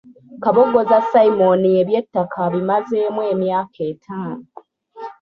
Kabogoza Simon eby'ettaka abimazeemu emyaka etaano.